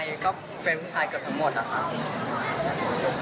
คือแบบว่าอีกอย่างนึงผู้ชายก็เป็นผู้ชายเกือบทั้งหมดค่ะ